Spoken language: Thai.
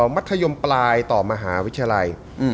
มัธยมปลายต่อมหาวิทยาลัย